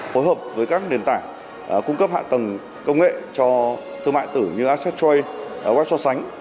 hội hợp với các nền tảng cung cấp hạ tầng công nghệ cho thương mại tử như accesstrade websosánh